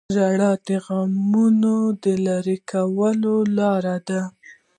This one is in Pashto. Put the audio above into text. • ژړا د غمونو د لرې کولو لاره ده.